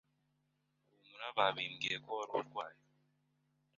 Humura babimbwiye ko wari urwaje”